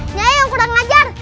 nyai yang kurang ajar